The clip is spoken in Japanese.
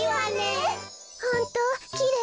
ホントきれいね。